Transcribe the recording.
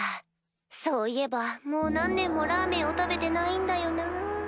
そういえばもう何年もラーメンを食べてないんだよなぁ。